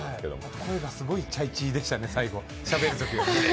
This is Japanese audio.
声がすごい、ちゃいちーでしたね、しゃべるとき。